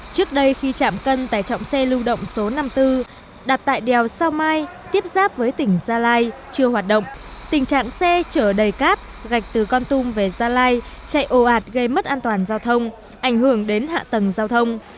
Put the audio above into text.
trước đây khi chạm cân tải trọng xe lưu động số năm mươi bốn đặt tại đèo sao mai tiếp giáp với tỉnh gia lai chưa hoạt động tình trạng xe chở đầy cát gạch từ con tum về gia lai chạy ồ ạt gây mất an toàn giao thông ảnh hưởng đến hạ tầng giao thông